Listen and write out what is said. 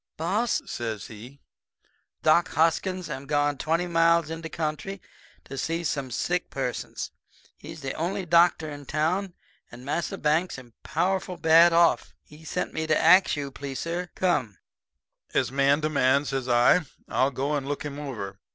"'Boss,' says he. 'Doc Hoskins am done gone twenty miles in de country to see some sick persons. He's de only doctor in de town, and Massa Banks am powerful bad off. He sent me to ax you to please, suh, come.' "'As man to man,' says I, 'I'll go and look him over.'